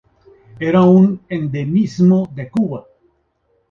Era un endemismo de Cuba.